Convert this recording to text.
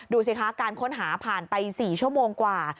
ดูสิคะการค้นหาผ่านไป๔ชั่วโมงกว่า